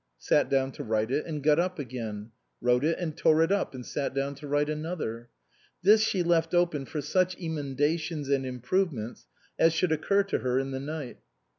Sat down to write it and got up again ; wrote it and tore it up, and sat down to write another. This she left open for such emendations and improvements as should occur to her in the night.